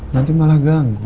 nanti malah ganggu